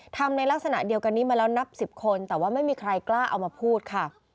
ในลักษณะเดียวกันนี้มาแล้วนับ๑๐คนแต่ว่าไม่มีใครกล้าเอามาพูดค่ะ